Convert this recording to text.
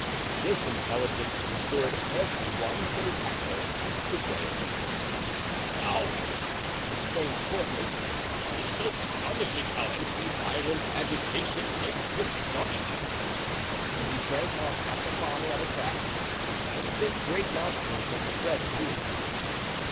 This intelligence restored every one save Athos to gayety. "Zounds!" exclaimed Porthos, "'tis astonishing how empty violent agitation makes the stomach." And he drank off half a bottle at a draught and bit great mouthfuls of the bread and meat.